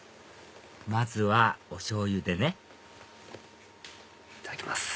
まずはお醤油でねいただきます。